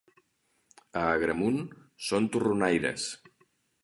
A Agramunt són torronaires.